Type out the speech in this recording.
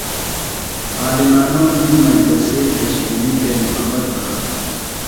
عالمانومی مجلسی بھشئینی تھےۡ محبت منانہ۔